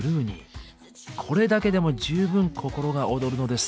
これだけでも十分心が躍るのですが。